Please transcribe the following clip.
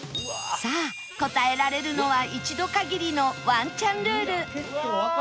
さあ答えられるのは一度限りのワンチャンルールわあ！